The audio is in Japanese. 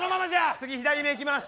次左目いきます。